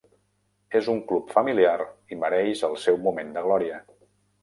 És un club familiar i mereix el seu moment de glòria.